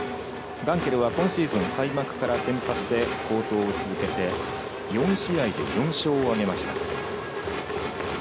ガンケルは今シーズン開幕から先発で好投を続けて４試合で４勝を挙げました。